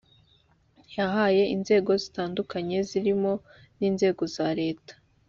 yahaye inzego zitandukanye zirimo n inzego za leta